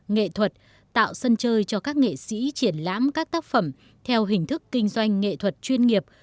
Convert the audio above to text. nghệ thuật tạo sân chơi cho các nghệ sĩ triển lãm các tác phẩm theo hình thức kinh doanh nghệ thuật chuyên nghiệp